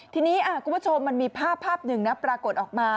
ทีนี้คุณผู้ชมมันมีภาพหนึ่งนะปรากฏออกมา